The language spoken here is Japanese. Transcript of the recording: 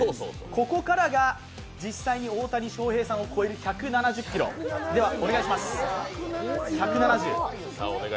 ここからが大谷さんを超える１７０キロ、ではお願いします。